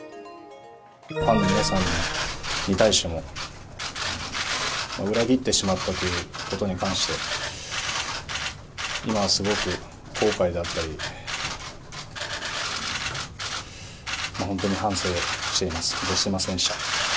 ファンの皆さんに対しても、裏切ってしまったということに関して、今はすごく後悔だったり、本当に反省をしています。